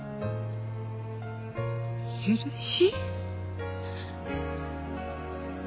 「許し」？